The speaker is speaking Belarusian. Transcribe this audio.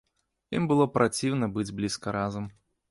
Ім было праціўна быць блізка разам.